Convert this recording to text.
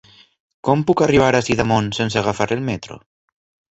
Com puc arribar a Sidamon sense agafar el metro?